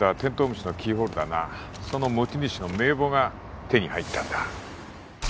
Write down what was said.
虫のキーホルダーなその持ち主の名簿が手に入ったんだ